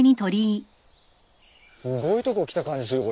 すごいとこ来た感じするよ